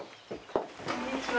こんにちは。